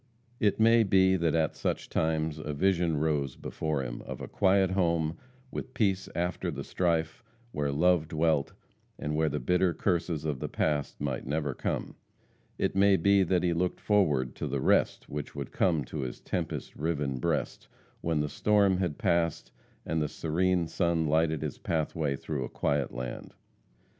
It may be that at such times a vision rose before him, of a quiet home with peace after the strife, where love dwelt, and where the bitter curses of the past might never come; it may be that he looked forward to the rest which would come to his tempest riven breast, when the storm had passed and the serene sun lighted his pathway through a quiet land.